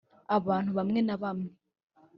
abantu bamwe na bamwe